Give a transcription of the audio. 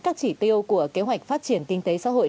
các chỉ tiêu của kế hoạch phát triển kinh tế xã hội